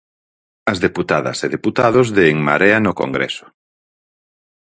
As deputadas e deputados de En Marea no Congreso.